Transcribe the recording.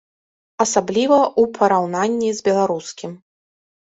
Асабліва ў параўнанні з беларускім.